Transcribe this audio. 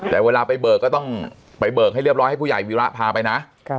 แต่เวลาไปเบิกก็ต้องไปเบิกให้เรียบร้อยให้ผู้ใหญ่วีระพาไปนะ